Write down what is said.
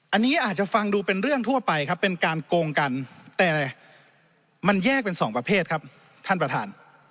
อันนี้อาจจะฟังดูเป็นเรื่องทั่วไปครับเป็นการโกงกันแต่มันแยกเป็นสองประเภทครับท่านประธาน